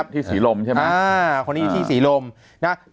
ที่ศรีรมใช่มั้ย